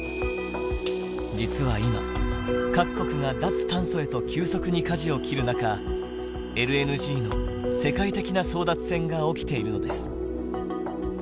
実は今各国が脱炭素へと急速にかじを切る中ＬＮＧの世界的な争奪戦が起きているのです。